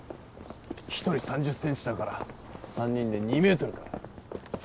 １人３０センチだから３人で２ｍか。